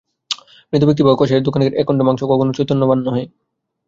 মৃতব্যক্তি বা কসাই-এর দোকানের একখণ্ড মাংস কখনও চৈতন্যবান নহে।